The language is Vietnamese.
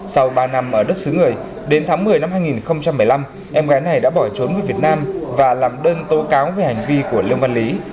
sau ba năm ở đất xứ người đến tháng một mươi năm hai nghìn một mươi năm em gái này đã bỏ trốn về việt nam và làm đơn tố cáo về hành vi của lương văn lý